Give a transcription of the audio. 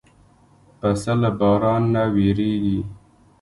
پسه له باران نه وېرېږي.